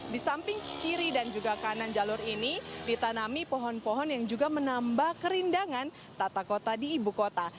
di samping kiri dan juga kanan jalur ini ditanami pohon pohon yang juga menambah kerindangan tata kota di ibu kota